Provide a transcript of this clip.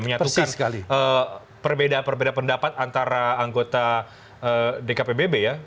menyatukan perbedaan perbedaan pendapat antara anggota dkpbb ya